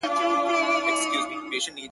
تر کارګه یې په سل ځله حال بتر دی.!